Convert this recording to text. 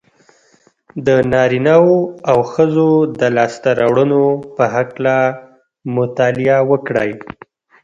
د نارينهوو او ښځو د لاسته راوړنو په هکله مطالعه وکړئ.